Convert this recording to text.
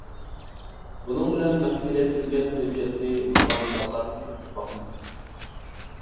بۇنىڭ بىلەن مەخپىيلەشتۈرگەن ھۆججەتنى بۇزغان بالىلارنى ئۇچرىتىپ باقمىدىم.